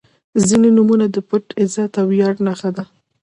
• ځینې نومونه د پت، عزت او ویاړ نښه ده.